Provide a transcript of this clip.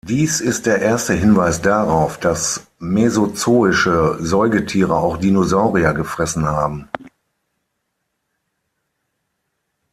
Dies ist der erste Hinweis darauf, dass mesozoische Säugetiere auch Dinosaurier gefressen haben.